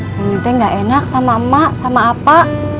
komite gak enak sama emak sama apa